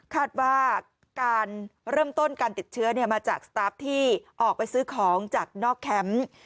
คาดว่าการเริ่มต้นการติดเชื้อมาจากสตาร์ฟที่ออกไปซื้อของจากนอกแคมป์